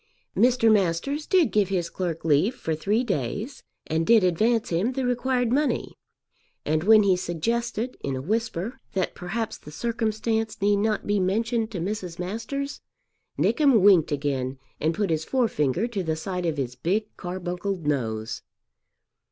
Mr. Masters did give his clerk leave for three days, and did advance him the required money. And when he suggested in a whisper that perhaps the circumstance need not be mentioned to Mrs. Masters, Nickem winked again and put his fore finger to the side of his big carbuncled nose.